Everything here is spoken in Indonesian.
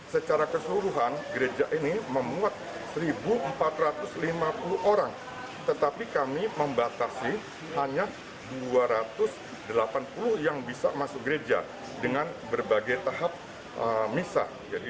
secara keseluruhan gereja ini memuat satu empat ratus lima puluh orang tetapi kami membatasi hanya dua ratus delapan puluh yang bisa masuk gereja dengan berbagai tahap misa